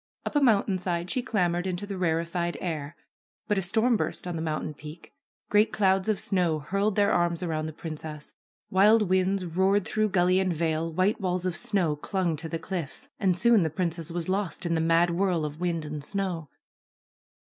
Up a mountainside she clambered into the rarefied air. But a storm burst on the mountain peak. Great clouds of snow hurled their arms around the princess. Wild winds roared through gully and vale, white walls of snow clung to the cliffs. And soon the princess was lost in the mad whirl of wind and snow.